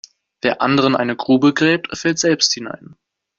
Wer anderen eine Grube gräbt, fällt selbst hinein.